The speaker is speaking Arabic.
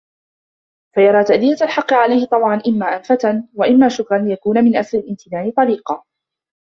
فَيَرَى تَأْدِيَةَ الْحَقِّ عَلَيْهِ طَوْعًا إمَّا أَنَفَةً وَإِمَّا شُكْرًا لِيَكُونَ مِنْ أَسْرِ الِامْتِنَانِ طَلِيقًا